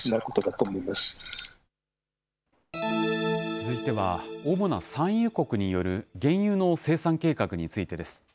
続いては、主な産油国による原油の生産計画についてです。